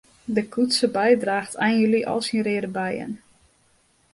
De koetsebei draacht ein july al syn reade beien.